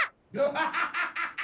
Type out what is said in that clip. ハハハハハ！